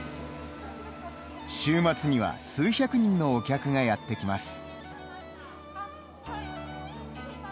週末には数百人のお客がやってきます。